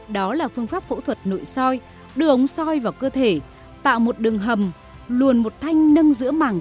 đó là phương pháp phẫu thuật nội soi đưa ống xoay vào cơ thể tạo một đường hầm luồn một thanh nâng giữa mảng